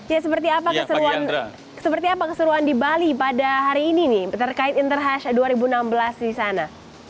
ya seperti apa keseruan di bali pada hari ini terkait interhash dua ribu enam belas di sana